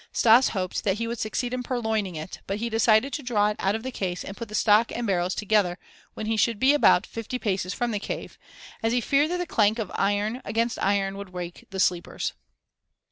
Stas hoped that he would succeed in purloining it, but he decided to draw it out of the case and put the stock and the barrels together when he should be about fifty paces from the cave, as he feared that the clank of the iron against iron would wake the sleepers.